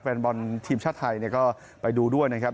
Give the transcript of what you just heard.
แฟนบอลทีมชาติไทยก็ไปดูด้วยนะครับ